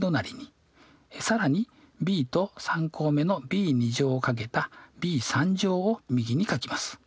更にｂと３項目のｂを掛けたｂを右に書きます。